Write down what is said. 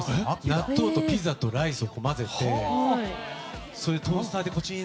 納豆とピザとライスを混ぜてトースターでチン！